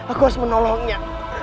aku harus menolongnya